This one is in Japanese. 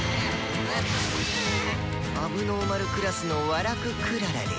「問題児クラスのウァラク・クララです。